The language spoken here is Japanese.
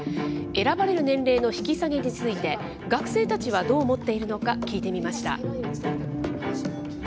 選ばれる年齢の引き下げについて、学生たちはどう思っているのか、聞いてみました。